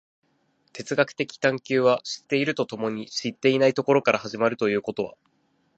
哲学的探求は知っていると共に知っていないところから始まるということは、